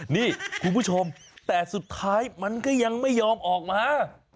นี่คุณผู้ชมแต่สุดท้ายมันก็ยังไม่ยอมออกมา